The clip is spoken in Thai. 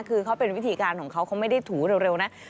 คือเขาเป็นวิธีการของเขาเขาไม่ได้ถูเร็วนะ